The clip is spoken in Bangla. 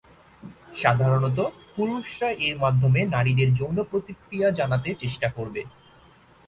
সাধারণত পুরুষরা এর মাধ্যমে নারীদের যৌন প্রতিক্রিয়া জানাতে চেষ্টা করবে।